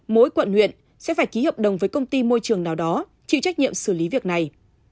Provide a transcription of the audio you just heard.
mỗi quận huyện sẽ phải ký hợp đồng với công ty môi trường nào đó chịu trách nhiệm xử lý việc này